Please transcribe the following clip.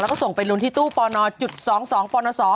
แล้วก็ส่งไปลุ้นที่ตู้ปนจุด๒๒ปน๒